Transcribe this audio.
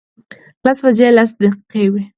لس بجې لس دقیقې وې.